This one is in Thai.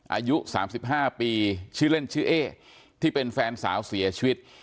อายุ๓๕ปีชื่อเล่นชื่อเอ๊ที่เป็นแฟนสาวเสียชีวิต